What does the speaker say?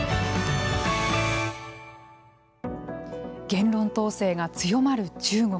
言論統制が強まる中国。